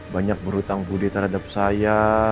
banyak berhutang budi terhadap saya